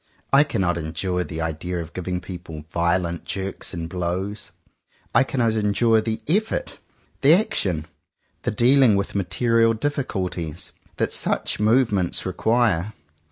I cannot endure the idea of giving people violent jerks and blows. I cannot endure the effort, the action, the dealing with material difficulties, that such movements require.